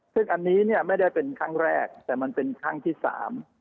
ซึ่งอันนี้เนี่ยไม่ได้เป็นครั้งแรกแต่มันเป็นครั้งที่สาม